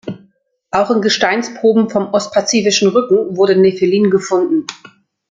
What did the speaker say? Auch in Gesteinsproben vom Ostpazifischen Rücken wurde Nephelin gefunden.